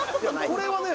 これはね